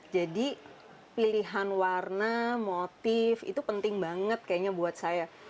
jadi pilihan warna motif itu penting banget kayaknya buat saya